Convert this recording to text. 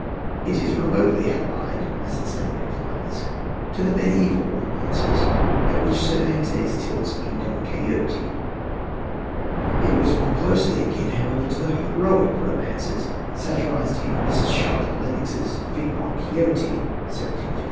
It is remotely allied, as its name implies, to the mediaeval romances, at which Cervantes tilts in Don Quixote. It was more closely akin, however, to the heroic romances satirised in Mrs. Charlotte Lennox's Female Quixote (1752).